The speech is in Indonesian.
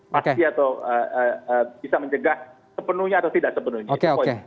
pasti atau bisa mencegah sepenuhnya atau tidak sepenuhnya